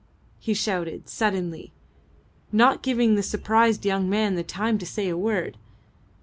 he shouted, suddenly, not giving the surprised young man the time to say a word.